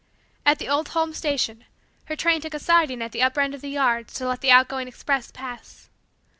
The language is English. At the old home station, her train took a siding at the upper end of the yards to let the outgoing express pass.